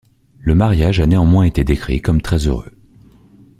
Le mariage a néanmoins été décrit comme très heureux.